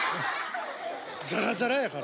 ザラザラやから。